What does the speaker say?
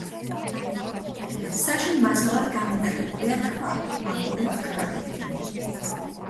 საშენ მასალად გამოყენებულია ქვა, აგური, კრამიტი.